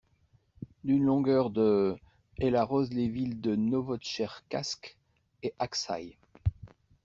D’une longueur de elle arrose les villes de Novotcherkassk et Aksaï.